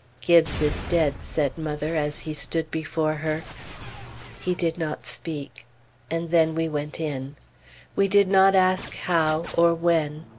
"Gibbes is dead," said mother as he stood before her. He did not speak; and then we went in. We did not ask how, or when.